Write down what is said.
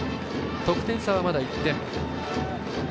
得点差はまだ１点。